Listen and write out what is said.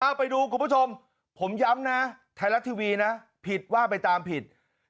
เอาไปดูคุณผู้ชมผมย้ำนะไทยรัฐทีวีนะผิดว่าไปตามผิด